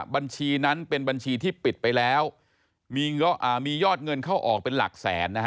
บัญชีนั้นเป็นบัญชีที่ปิดไปแล้วมียอดเงินเข้าออกเป็นหลักแสนนะฮะ